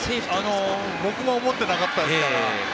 僕も思っていなかったです。